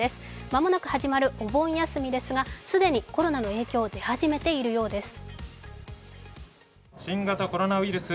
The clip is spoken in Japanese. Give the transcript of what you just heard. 間もなく始まるお盆休みですが既にコロナの影響出始めているようです。